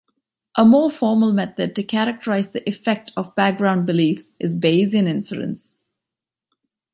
A more formal method to characterize the effect of background beliefs is Bayesian inference.